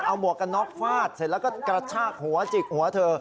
เอาหมวกกันน็อกฟาดเสร็จแล้วก็กระชากหัวจิกหัวเธอ